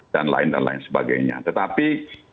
dan lain lain sebagainya tetapi